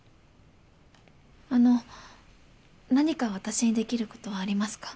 あの何か私にできることありますか？